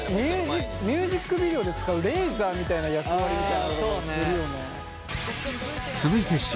ミュージックビデオで使うレーザーみたいな役割みたいのをするよね。